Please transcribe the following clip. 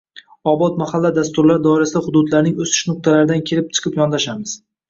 “Obod mahalla” dasturlari doirasida hududlarning “o‘sish nuqtalari”dan kelib chiqib yondoshamiz.